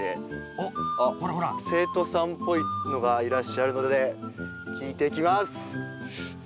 おっほらほらあっ生徒さんっぽいのがいらっしゃるので聞いてきます。